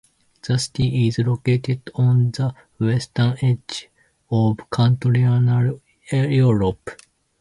The city is located on the western edge of continental Europe.